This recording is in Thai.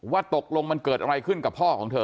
ว่าตกลงมันเกิดอะไรขึ้นกับพ่อของเธอ